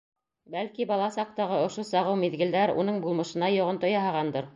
Бәлки, бала саҡтағы ошо сағыу миҙгелдәр уның булмышына йоғонто яһағандыр?